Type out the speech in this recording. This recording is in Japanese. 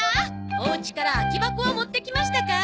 おうちから空き箱は持ってきましたか？